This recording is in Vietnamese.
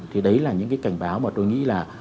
thì đấy là những cái cảnh báo mà tôi nghĩ là